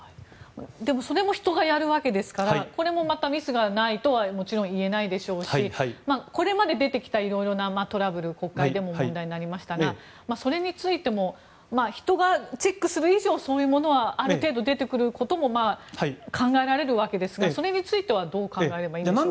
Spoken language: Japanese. でもそれも人がやるわけですからこれもまた、ミスがないとはもちろん言えないでしょうしこれまで出てきたいろいろなトラブル国会でも問題になりましたがそれについても人がチェックする以上そういうものはある程度、出てくることも考えられるわけですがそれについてはどう考えればいいんでしょうか。